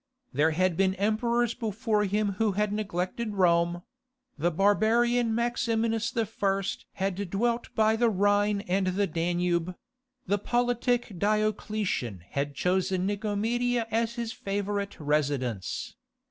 There had been emperors before him who had neglected Rome: the barbarian Maximinus I. had dwelt by the Rhine and the Danube; the politic Diocletian had chosen Nicomedia as his favourite residence.